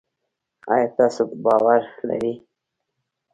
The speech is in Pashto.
آیا تاسو باور لرئ؟